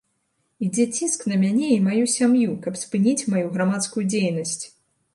Ідзе ціск на мяне і маю сям'ю, каб спыніць маю грамадскую дзейнасць.